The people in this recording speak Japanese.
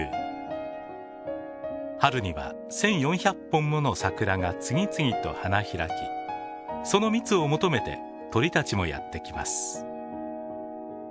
春には１，４００本もの桜が次々と花開きその蜜を求めて鳥たちもやって来ます。